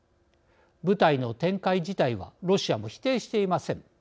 部隊の展開自体はロシアも否定していません。